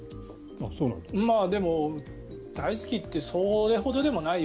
でも、大好きってそれほどでもないよ。